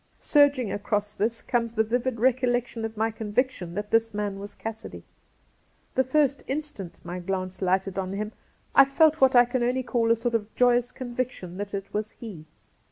Surging across this comes the vivid recollection of my conviction that this man was Cassidy. The first instant my glance lighted on him I felt what I can only call a sort of joyous conviction that it was he.